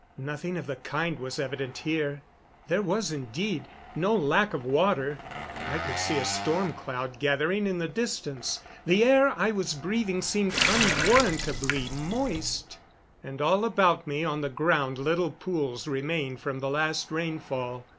Nothing of the kind was evident here. There was, indeed, no lack of water. I could see a storm cloud gathering in the distance. The air I was breathing seemed unwarrantably moist; and all about me on the ground little pools remained from the last rainfall.